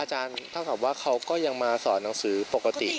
อาจารย์ต้องถามว่าเขาก็ยังมาสอนหนังสือปกติ